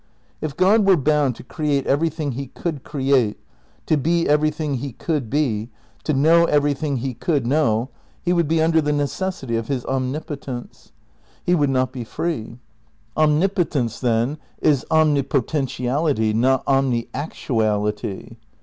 If God were bound to create everything he could create, to be everything he could be, to know everything he could know, he would be under the necessity of his onmipotenee. He would not be free. Omnipotence, then, is omnipotentiality, not omniactuality.